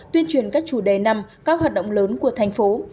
tuyên truyền các chủ đề năm các hoạt động lớn của thành phố